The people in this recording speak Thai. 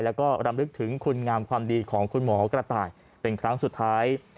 แล้วก็รำลึกถึงคุณงามความดีของคุณหมอกระต่ายเป็นครั้งสุดท้าย